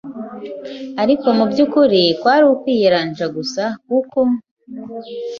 ariko mu byukuri kwari ukwiyeranja gusa kuko